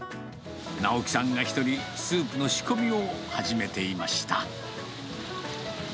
尚紀さんが一人、スープの仕込みを始めていました。